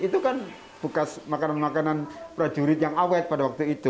itu kan bekas makanan makanan prajurit yang awet pada waktu itu